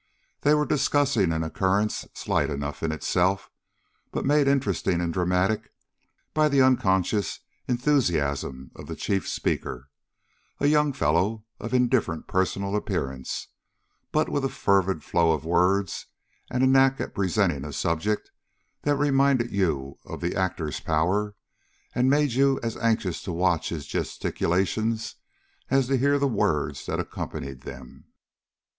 They were discussing an occurrence slight enough in itself, but made interesting and dramatic by the unconscious enthusiasm of the chief speaker, a young fellow of indifferent personal appearance, but with a fervid flow of words and a knack at presenting a subject that reminded you of the actor's power, and made you as anxious to watch his gesticulations as to hear the words that accompanied them.